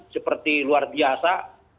seperti luar biasa